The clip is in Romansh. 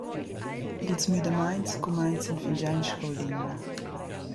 Ils müdamaints cumainzan fingià in scoulina.